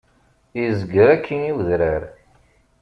Izger akkin i udrar.